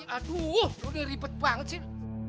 aduh lo nih ribet banget sih